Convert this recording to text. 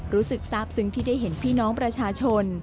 รู้สึกทราบซึ้งที่ได้เห็นพี่น้องประชาชน